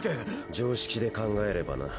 常識で考えればな。